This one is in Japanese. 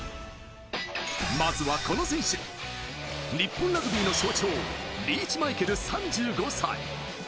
まずはこの選手、日本ラグビーの象徴、リーチ・マイケル、３５歳。